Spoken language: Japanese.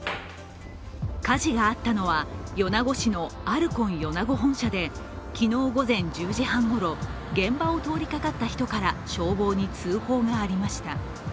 火事があったのは米子市のアルコン米子本社で昨日午前１０時半ごろ、現場を通りかかった人から消防に通報がありました。